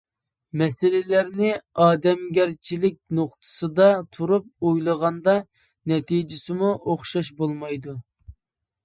مەسىلىلەرنى ئادەمگەرچىلىك نۇقتىسىدا تۇرۇپ ئويلىغاندا، نەتىجىسىمۇ ئوخشاش بولمايدۇ.